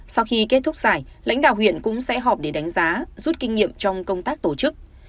sau khi kết thúc giải lãnh đạo huyện cũng sẽ họp để đánh giá rút kinh nghiệm trong công tác tổ chức